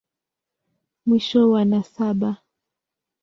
Mwisho wa nasaba.